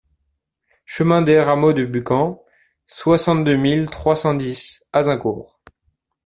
Chemin d'Aire Hameau de Bucamps, soixante-deux mille trois cent dix Azincourt